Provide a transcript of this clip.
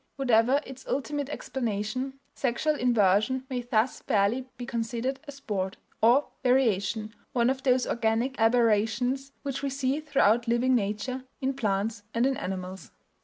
Whatever its ultimate explanation, sexual inversion may thus fairly be considered a "sport," or variation, one of those organic aberrations which we see throughout living nature, in plants and in animals.